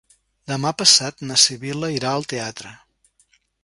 Demà passat na Sibil·la irà al teatre.